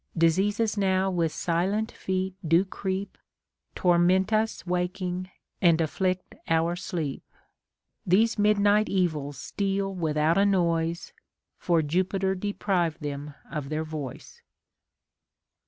Diseases now with silent feet do creep. Torment us waking, and afflict our sleep. These midnight evils steal without a noise, For Jupiter deprived them of their voice.